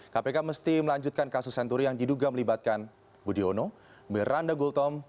kpk mesti melanjutkan kasus senturi yang diduga melibatkan budi ono beranda gultom